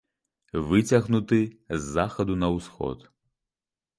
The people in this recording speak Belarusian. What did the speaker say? Выцягнуты з захаду на ўсход.